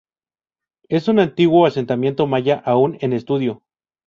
Es un antiguo asentamiento maya aún en estudio.